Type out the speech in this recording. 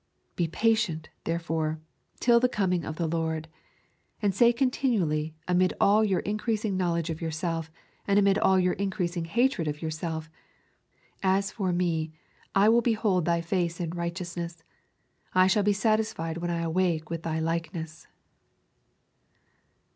Be patient, therefore, till the coming of the Lord. And say continually amid all your increasing knowledge of yourself, and amid all your increasing hatred of yourself, 'As for me, I will behold Thy face in righteousness; I shall be satisfied when I awake with Thy likeness.'